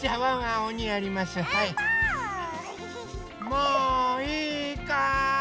もういいかい？